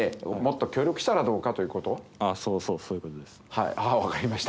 はい分かりました。